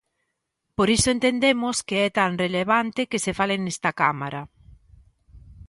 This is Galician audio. Por iso entendemos que é tan relevante que se fale nesta Cámara.